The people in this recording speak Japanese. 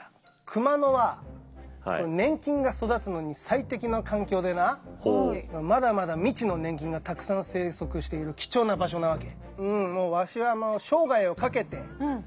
熊野は粘菌が育つのに最適な環境でなまだまだ未知の粘菌がたくさん生息している貴重な場所なわけ。